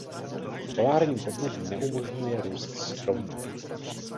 Polární podnebí neumožňuje růst stromů.